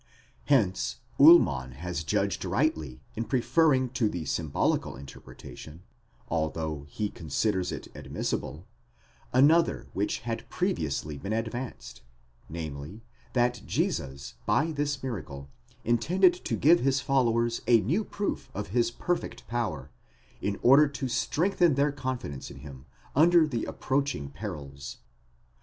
Hence Ullmann has judged rightly in preferring to the symbolical interpretation, although he considers it admissible, another which had pre viously been advanced: 17 namely, that Jesus by this miracle intended to give his followers a new proof of his perfect power, in order to strengthen their confidence in him under the approaching perils.